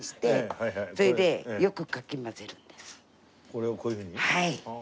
これをこういうふうに？はあ。